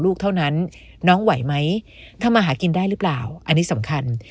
ลูกเท่านั้นน้องไหวไหมทำอาหารกินได้หรือเปล่าอันนี้สำคัญ